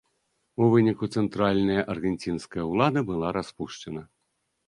У выніку цэнтральная аргенцінская ўлада была распушчана.